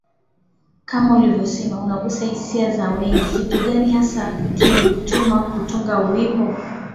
kama ulivyosema unagusa hisia za wengi Kitu gani hasa kilikutuma kutunga wimbo